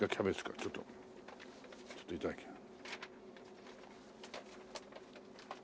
ちょっとちょっといただきます。